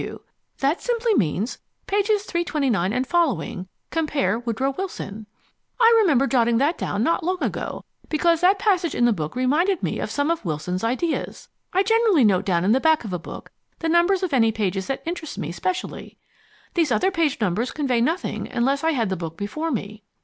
W. That simply means 'pages 329 and following, compare Woodrow Wilson.' I remember jotting that down not long ago, because that passage in the book reminded me of some of Wilson's ideas. I generally note down in the back of a book the numbers of any pages that interest me specially. These other page numbers convey nothing unless I had the book before me."